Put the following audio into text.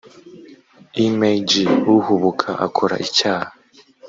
img uhubuka akora icyaha